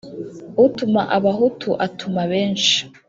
Utuma abahutu atuma benshi.